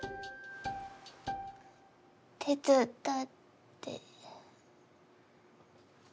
手伝って。